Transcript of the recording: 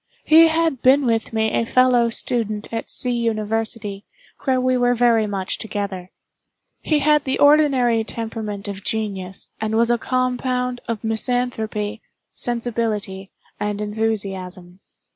He had been with me a fellow student at C—— University, where we were very much together. He had the ordinary temperament of genius, and was a compound of misanthropy, sensibility, and enthusiasm.